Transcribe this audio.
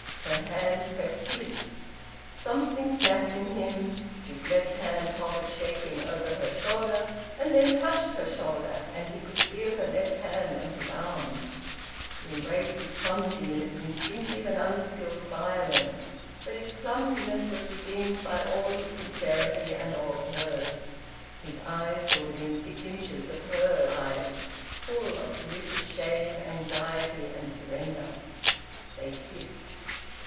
Her hand pressed his. Something snapped in him. His left hand hovered shaking over her shoulder, and then touched her shoulder, and he could feel her left hand on his arm. The embrace was clumsy in its instinctive and unskilled violence, but its clumsiness was redeemed by all his sincerity and all hers. His eyes were within six inches of her eyes, full of delicious shame, anxiety, and surrender. They kissed...